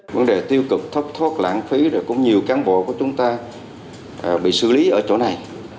vấn đề tiêu cực thất thoát lãng phí cũng nhiều cán bộ của chúng ta bị xử lý ở chỗ này